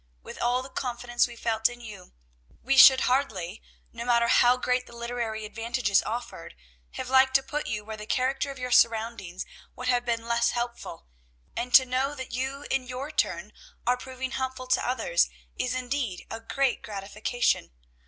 With all the confidence we felt in you, we should hardly, no matter how great the literary advantages offered, have liked to put you where the character of your surroundings would have been less helpful; and to know that you, in your turn, are proving helpful to others, is indeed a great gratification.